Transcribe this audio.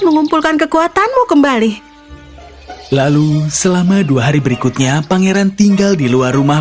mengumpulkan kekuatanmu kembali lalu selama dua hari berikutnya pangeran tinggal di luar rumah